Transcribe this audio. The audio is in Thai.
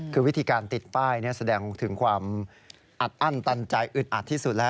คือวิธีการติดป้ายแสดงถึงความอัดอั้นตันใจอึดอัดที่สุดแล้ว